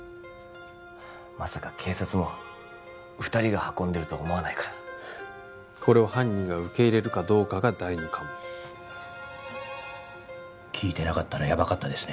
まさか警察も二人が運んでるとは思わないからこれを犯人が受け入れるかどうかが第二関門聞いてなかったらヤバかったですね